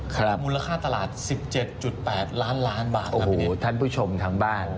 ครับมูลค่าตลาดสิบเจ็ดจุดแปดล้านล้านบาทครับโอ้โหท่านผู้ชมทางบ้าน